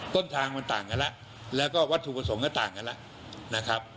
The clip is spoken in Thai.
ต้นทางมันต่างกันแล้วแล้วก็วัตถุประสงค์ก็ต่างกันแล้วนะครับ